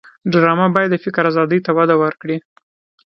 ډرامه باید د فکر آزادۍ ته وده ورکړي